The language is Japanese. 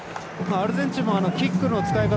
アルゼンチンもキックの使い方